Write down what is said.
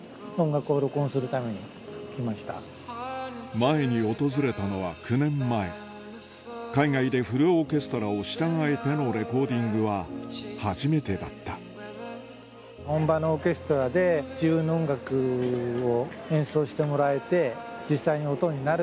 前に訪れたのは９年前海外でフルオーケストラを従えてのレコーディングは初めてだったその後の何ていうのかな